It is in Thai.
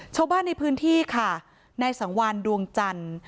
ชาวบ้านในพื้นที่ค่ะนายสังวานดวงจันทร์